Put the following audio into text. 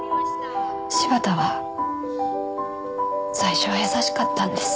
柴田は最初は優しかったんです。